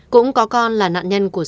cũng có con là nạn nhân của sự cố